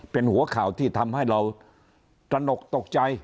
เป็นหัวข่าวที่ทำให้เราตระหนกตกใจ